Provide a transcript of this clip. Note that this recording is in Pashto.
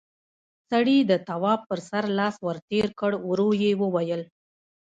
سړي د تواب پر سر لاس ور تېر کړ، ورو يې وويل: